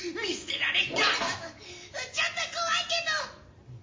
ちょっと怖いけど！